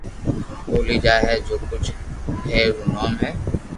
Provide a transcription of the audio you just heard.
ٻولي جائي ھي جو ڪوجھ ھير رو نوم ھي